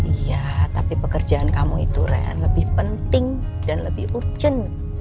iya tapi pekerjaan kamu itu ren lebih penting dan lebih urgent